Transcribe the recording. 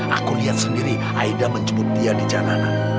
aku lihat sendiri aida menjemput dia di jalanan